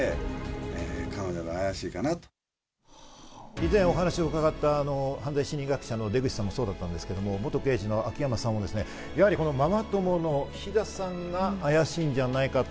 以前、お話を伺った犯罪心理学者の出口さんもそうだったんですが元刑事の秋山さんは、やはりママ友の菱田さんが怪しいんじゃないかと。